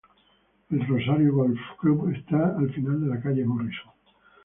El Rosario Golf Club está al final de la calle Morrison.